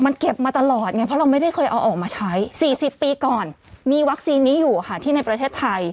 มันเก็บมาตลอดไงเพราะเราไม่ได้เคยเอาออกมาใช้๔๐ปีก่อนมีวัคซีนนี้อยู่ค่ะที่ในประเทศไทย